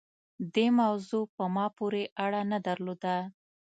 دې موضوع په ما پورې اړه نه درلوده.